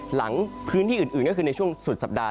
หลังพื้นที่อื่นก็คือในช่วงสุดสัปดาห